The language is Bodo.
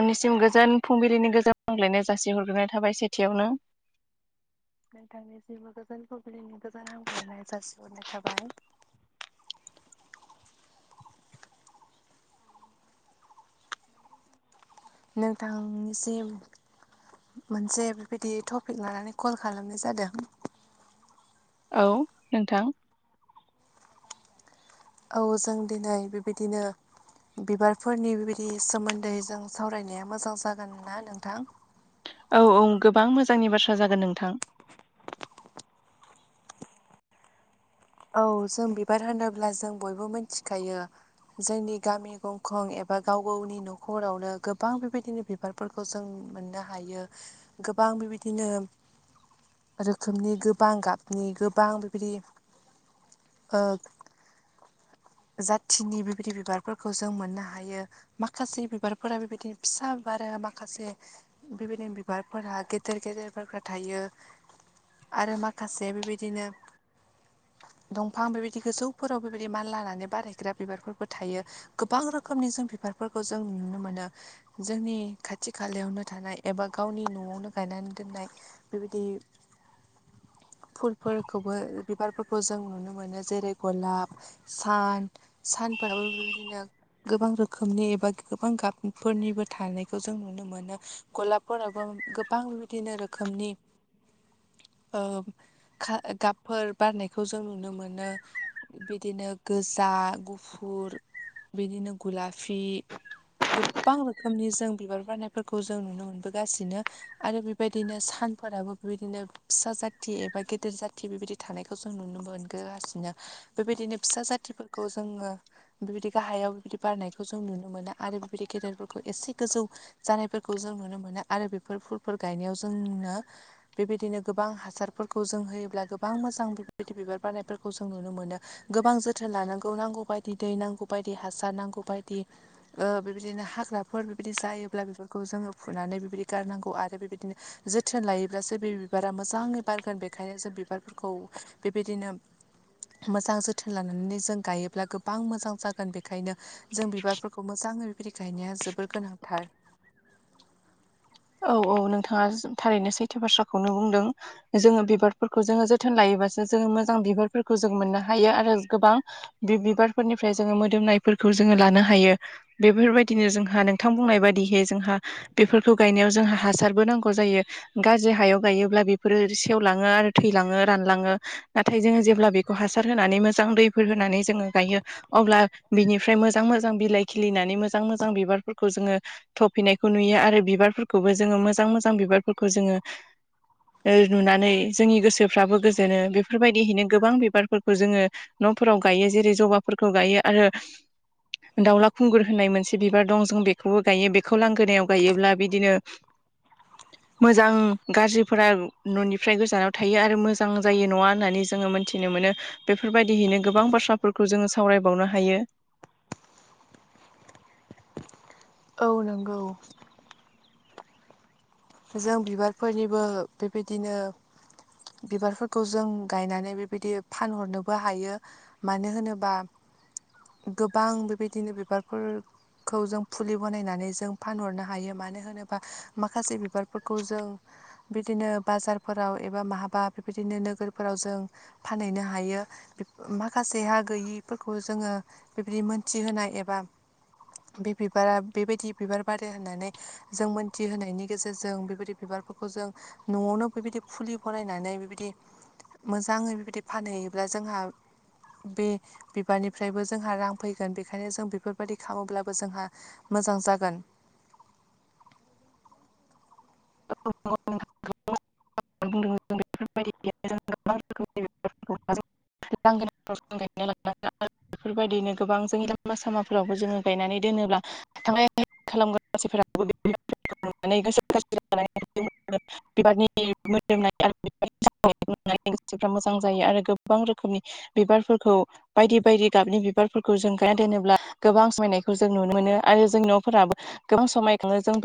आंनिसिम गोजोन फुंबिलिनि गोजोन हाग्लायनाय जासि हरग्रोनाय थाबाय सेथियावनो नोंथांनि जेबो गोजोन फुंबिलिनि गोजोन हामग्लायनाय जासिहरनाय थाबाय नोंथांनिसिम मोनसे बेबायदि टपिक लानानै कल खालामनाय जादों औ नोंथां औ जों दिनै बेबायदिनो बिबारफोरनि बेबायदि सोमोन्दै जों सावरायनाया मोजां जागोन ना नोंथां औ-औ गोबां मोजांनि बाथ्रा जागोन नोंथां औ जों बिबार होनोब्ला जों बयबो मिथिखायो जोंनि गामि गंखं एबा गाव गावनि न'खरावनो गोबां बेबायदिनो बिबारफोरखौ जों मोननो हायो गोबां बेबायदिनो रोखोमनि गोबां गाबनि गोबां बेबायदि ओ जाथिनि बेबायदि बिबारफोरखौ जों मोननो हायो माखासे बिबारफोरा बेबायदिनो फिसा बारो माखासे बेबायदिनो बिबारफोरा गेदेर गेदेरफोरबो थायो आरो माखासे बेबायदिनो दंफां बेबायदि गोसौफोराव बेबायदि मानलानानै बारायग्रा बिबारफोरबो थायो गोबां रोखोमनि जों बिबारफोरखौ जों नुनो मोनो जोंनि खाथि खालायावनो थानाय एबा गावनि न'आवनो गायनानै दोननाय बेबायदि फुलफोरखौबो बिबारफोरखौ जों नुनो मोनो जेरै गलाब सान सानफोराबो बेबायदिनो गोबां रोखोमनि एबा गोबां गाबफोरनिबो थानायखौ जों नुनो मोनो गलाबफोरावबो गोबां बिदिनो रोखोमनि ओ गाबफोर बारनायखौ जों नुनो मोनो बिदिनो गोजा गुफुर बिदिनो गुलाफि गोबां रोखोमनि जों बिबार बारनायफोरखौ जों नुनो मोनबोगासिनो आरो बेबायदिनो सानफोराबो बेबायदिनो फिसा जाथि एबा गेदेर जाथि बेबायदि थानायखौ जों नुनो मोनगोगासिनो बेबायदिनो फिसा जाथिफोरखौ जोङो बेबायदि गाहायाव बेबायदि बारनायखौ जों नुनो मोनो आरो बेबायदि गेदेरफोरखौ एसे गोजौ जानायफोरखौ जों नुनो मोनो आरो बेफोर फुलफोर गायनायाव जोंनो बेबायदिनो गोबां हासारफोरखौ जों होयोब्ला गोबां मोजां बेबायदि बिबार बारनायफोरखौ जों नुनो मोनो गोबां जोथोन लानांगौ नांगौ बायदि दै नांगौ बायदि हासार नांगौ बायदि ओ बेबायदिनो हाग्राफोर बेबायदि जायोब्ला बेफोरखौ जोङो फुनानै बेबायदि गारनांगौ आरो बेबायदिनो जोथोन लायोब्लासो बे बिबारा मोजाङै बारगोन बेखायनो जों बिबारफोरखौ बेबायदिनो मोजां जोथोन लाना नै जों गायोब्ला गोबां मोजां जागोन बेनिखायनो जों बिबार मोजाङै बिबायदि गायनाया जोबोर गोनांथार औ-औ नोंथाङा थारैनो सैथो बाथ्राखौनो बुंदों जोङो बिबारफोरखौ जोङो जोथोन लायोबासो जोङो मोजां बिबारफोरखौ जों मोननो हायो आरो गोबां बे बिबारफोरनिफ्राय जोङो मोदोमनायफोरखौ जोङो लानो हायो बेफोरबायदिनो जोंहा नोंथां बुंनाय बादिहै जोंहा बेफोरखौ गायनायाव जोंहा हासारबो नांगौ जायो गाज्रि हायाव गायोब्ला बेफोरो सेवलाङो आरो थैलाङो रानलाङो नाथाय जोङो जेब्ला बेखौ हासार होनानै मोजां दैफोर होनानै जोङो गायो अब्ला बिनिफ्राय मोजां मोजां बिलाइ खिलिनानै मोजां मोजां बिबारफोरखौ जोङो थफिनायखौ नुयो आरो बिबारफोरखौबो जोङो मोजां मोजां बिबारफोरखौ जोङो नुनानै जोंनि गोसोफ्राबो गोजोनो बेफोरबायदिहैनो गोबां बिबारफोरखौ जोङो न'फोराव गायो जेरै जबाफोरखौ गायो आरो दाावला खुंगुर होननाय मोनसे बिबार दं जों बेखौबो गायो बेखौ लांगोनायाव गायोब्ला बि बिदिनो [inaudible] मोजां गाज्रिफोरा न'निफ्राय गोजानाव थायो आरो मोजां जायो नङा होननानै जोङो मोनथिनो मोनो बेफोरबायदिहैनो गोबां बाथ्राफोरखौ जोङो सावरायबावनो हायो औ नंगौ जों बिबारफोरनिबो बेबायदिनो बिबारफोरखौ जों गायनानै बेबायदि फानहरनोबो हायो मानो होनोबा गोबां बेबायदिनो बिबारफोर खौ जों फुलि बानायनानै जों फानहरनो हायो मानो होनोबा माखासे बिबारफोरखौ जों बिदिनो बाजारफोराव एबा माहाबा बेबायदिनो नोगोरफोराव जों फानहैनो हायो माखासेहा गैयिफोरखौ जोङो बेबायदि मोनथिहोनाय एबा बे बिबारा बेबायदि बिबार बारो होननानै जों मोनथिहोनायनि गेजेरजों बेबायदि बिबारफोरखौ जों न'आवनो बेबायदि फुलि फरायनानै बेबायदि मोजाङै बेबायदि फानहैयोब्ला जोंहा बे बिबारनिफ्रायबो जोंहा रां फैगोन बेखायनो जों बेफोरबायदि खालामोब्लाबो जोंहा मोजां जागोन [unintelligible] दों जों बेफोरबायदि [unintelligible] लांगोनाफोराव जों गायना लानो [unintelligible] बेफोरबायदिनो गोबां जोंनि लामा सामाफोरावबो जोङो गायनानै दोनोब्ला थांलाय खालामग्रा मानसिफोराबो गोसो [unintelligible] बिबारनि मोदोमनाय आरो [unintelligible] गोसोफ्रा मोजां जायो आरो गोबां रोखोमनि बिबारफोरखौ बायदि बायदि गाबनि बिबारफोरखौ जों गायना दोनोब्ला गोबां समायनायखौ जों नुनो मोनो आरो जोंनि न'फोराबो गोबां समायखाङो जों बे